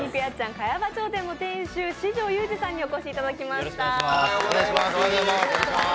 茅場町店店主、四條雄士さんにお越しいただきました。